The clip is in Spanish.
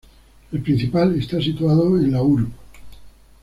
El principal está situado en la Urb.